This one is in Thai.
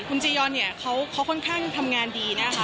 คุณจียอนเนี่ยเขาค่อนข้างทำงานดีนะคะ